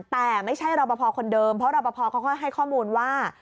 แต่ไม่ใช่รอปภคนเดิมเพราะรอปภเขาก็ให้ข้อมูลว่า